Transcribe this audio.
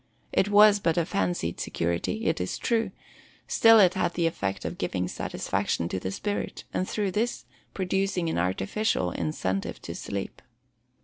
It was but a fancied security, it is true: still it had the effect of giving satisfaction to the spirit, and through this, producing an artificial incentive to sleep.